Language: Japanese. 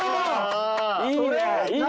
いいね！